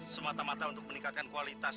semata mata untuk meningkatkan kualitas